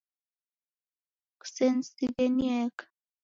Kusenisighe nieka.